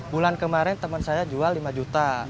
bulan kemarin temen saya jual lima juta